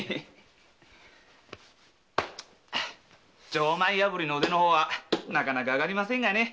錠前破りの腕はなかなかあがりませんがね。